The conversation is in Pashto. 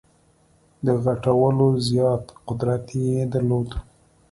د غټولو زیات قدرت یې درلود.